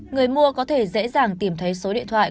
người mua có thể dễ dàng tìm thấy số điện thoại